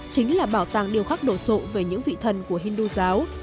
chính là bảo tàng điều khác đổ sộ về những vị thần của hindu giáo